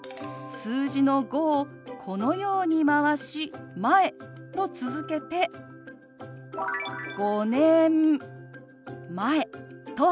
数字の「５」をこのように回し「前」と続けて「５年前」と表します。